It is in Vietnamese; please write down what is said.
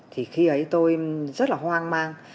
thì khi ấy tôi rất là hoang mang